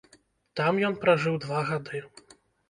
Там ён пражыў два гады.